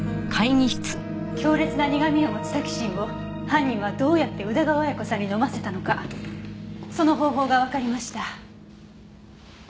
強烈な苦味を持つタキシンを犯人はどうやって宇田川綾子さんに飲ませたのかその方法がわかりました。